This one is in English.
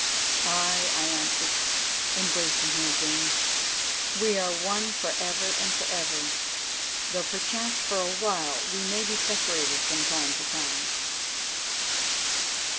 "Aye," I answered, embracing her again, "we are one for ever and for ever, though perchance for a while we may be separated from time to time."